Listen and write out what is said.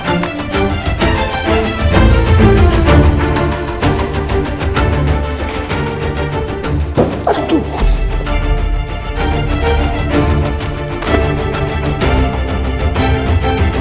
tante approximate waktunya mata hantu di mariana